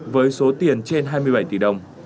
với số tiền trên hai mươi bảy tỷ đồng